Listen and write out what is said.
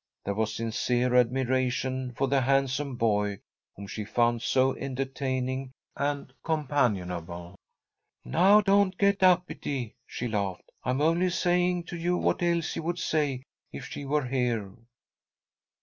There was sincere admiration for the handsome boy whom she found so entertaining and companionable. "Now don't get uppity," she laughed. "I'm only saying to you what Elsie would say if she were here."